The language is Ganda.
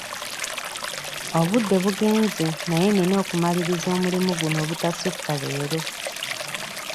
Obudde bugenze naye nnina okumaliriza omulimu guno obutasukka leero.